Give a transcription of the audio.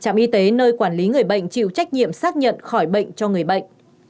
trạm y tế nơi quản lý người bệnh chịu trách nhiệm xác nhận khỏi bệnh cho người bệnh